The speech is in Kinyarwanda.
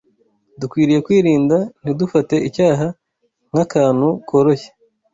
Dukwiriye kwirinda ntidufate icyaha nk’akantu koroshye